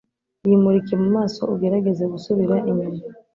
yimurike mu maso ugerageze gusubira inyuma